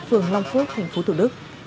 phường long phước tp thủ đức